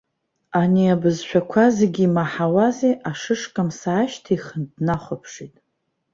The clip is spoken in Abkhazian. Ани абызшәақәа зегьы имаҳауази, ашышкамс аашьҭихын, днахәаԥшит.